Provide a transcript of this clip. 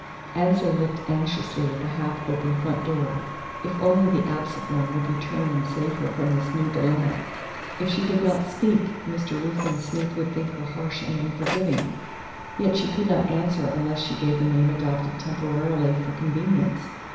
Annesley looked anxiously at the half open front door. If only the absent one would return and save her from this new dilemma! If she did not speak, Mr. Ruthven Smith would think her harsh and unforgiving, yet she could not answer unless she gave the name adopted temporarily for convenience.